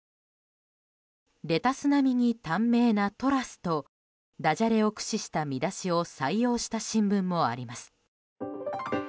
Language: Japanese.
「レタス並みに短命なトラス」とダジャレを駆使した見出しを採用した新聞もあります。